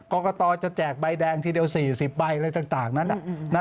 กรกตจะแจกใบแดงทีเดียว๔๐ใบอะไรต่างนั้น